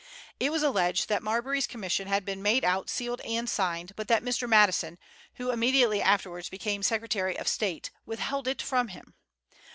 It was alleged that Marbury's commission had been made out, sealed, and signed, but that Mr. Madison, who immediately afterwards became Secretary of State, withheld it from him.